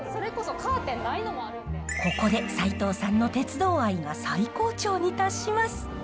ここで斉藤さんの鉄道愛が最高潮に達します。